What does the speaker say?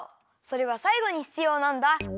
それはさいごにひつようなんだ。